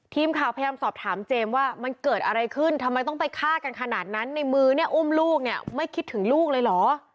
ทีมข่าวพยายามสอบถามเจมส์ว่ามันเกิดอะไรขึ้นทำไมต้องไปฆ่ากันขนาดนั้นในมือเนี่ยอุ้มลูกเนี่ยไม่คิดถึงลูกเลยเหรอ